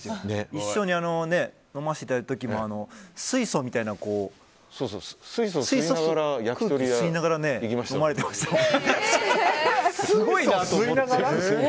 一緒に飲ませていただいた時も水素みたいな空気を吸いながら飲まれてましたもんね。